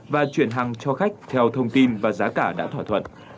và chuyển hàng cho khách theo thông tin và giá cả đã thỏa thuận